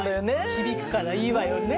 響くからいいわよね。